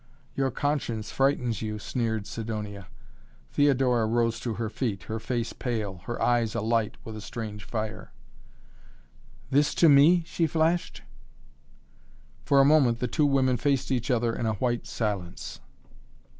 "Your conscience frightens you," sneered Sidonia. Theodora rose to her feet, her face pale, her eyes alight with a strange fire. "This to me?" she flashed. For a moment the two women faced each other in a white silence.